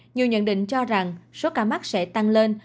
nhiều nhận định cho rằng số ca mắc sẽ tăng lên